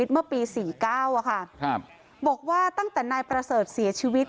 เมื่อปี๔๙บอกว่าตั้งแต่นายประเสริฐเสียชีวิต